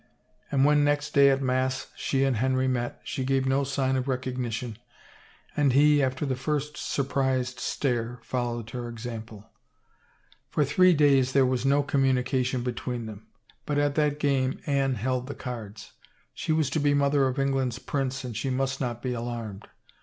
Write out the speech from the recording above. And when, next day at mass, she and Henry met, she gave no sign of recognition, and he, after the first sur prised stare, followed her example. For three days there was no communication between them. But at that game Anne held the cards. She was to be mother of England's prince and she must not be alarmed.